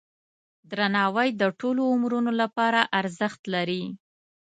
درناوی د ټولو عمرونو لپاره ارزښت لري.